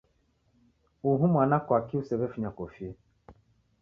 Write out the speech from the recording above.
Uhu mwana kwakii usew'efunya kofia?